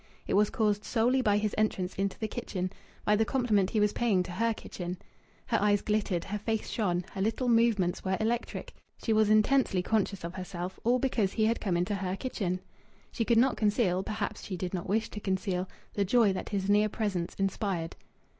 It was caused solely by his entrance into the kitchen, by the compliment he was paying to her kitchen! Her eyes glittered; her face shone; her little movements were electric; she was intensely conscious of herself all because he had come into her kitchen! She could not conceal perhaps she did not wish to conceal the joy that his near presence inspired.